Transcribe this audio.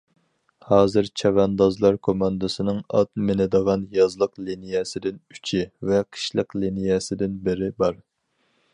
ھازىر، چەۋەندازلار كوماندىسىنىڭ ئات مىنىدىغان يازلىق لىنىيەسىدىن ئۈچى ۋە قىشلىق لىنىيەسىدىن بىرى بار.